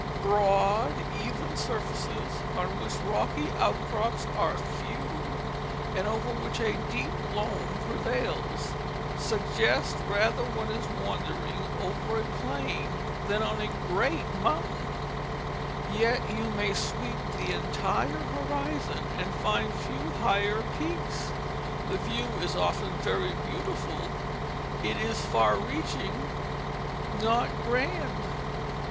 Broad, even surfaces, on which rocky Out crops are few and over which a deep loam prevails, suggest rather that one is wandering over a plain than on a great moun tain; yet you may sweep the entire horizon and find few higher peaks. The view is often very beautiful, it is far reaching, not grand.